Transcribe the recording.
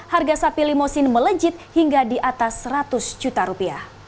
harga sapi limusin melejit hingga di atas rp seratus